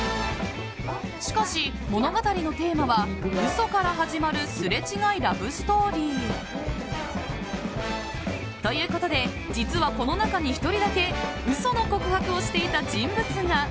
しかし物語のテーマは嘘から始まるすれ違いラブストーリー。ということで実は、この中に１人だけ嘘の告白をしていた人物が。